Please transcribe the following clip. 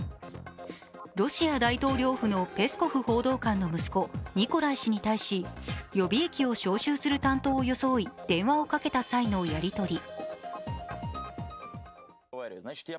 ロシア大統領府のペスコフ報道官の息子、ニコライ氏に対し、予備役を招集する担当を装い、電話をかけた際のやり取り。